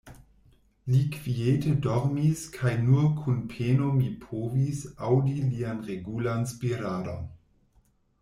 Li kviete dormis kaj nur kun peno mi povsi aŭdi lian regulan spiradon.